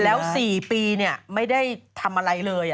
แล้ว๔ปีไม่ได้ทำอะไรเลย